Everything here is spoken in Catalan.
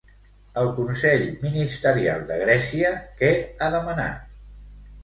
El Consell Ministerial de Grècia, què ha demanat?